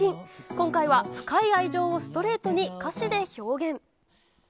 今回は深い愛情をストレートに歌詞で表現。